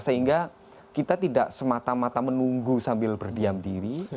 sehingga kita tidak semata mata menunggu sambil berdiam diri